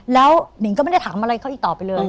แล้วหนิงก็ไม่ได้ถามอะไรเขาอีกต่อไปเลย